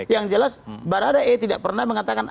yang jelas baradae tidak pernah mengatakan